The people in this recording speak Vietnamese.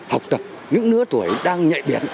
học tập những nửa tuổi đang nhạy biệt